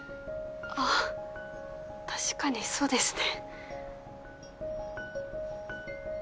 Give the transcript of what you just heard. あ確かにそうですね。